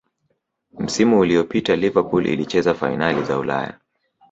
msimu uliyopita liverpool ilicheza fainali za ulaya